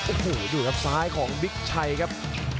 โอ้โหดูครับซ้ายของบิ๊กชัยครับ